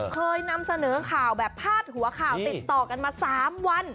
เคยนำเสนอข่าวแบบพาดหัวข่าวติดต่อกันมา๓วัน